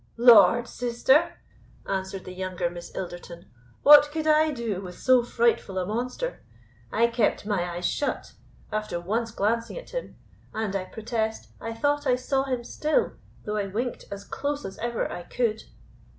"Lord, sister," answered the younger Miss Ilderton, "what could I do with so frightful a monster? I kept my eyes shut, after once glancing at him; and, I protest, I thought I saw him still, though I winked as close as ever I could."